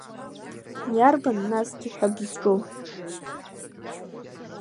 Иарбан, насгьы ҳәа бызҿу?